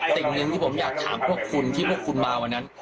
สิ่งหนึ่งที่ผมอยากถามพวกคุณที่พวกคุณมาวันนั้น